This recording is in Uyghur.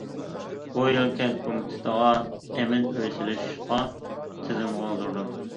بۇ يىل كەنت كومىتېتىغا ئەمىن ئۆي سېلىشقا تىزىمغا ئالدۇردۇم.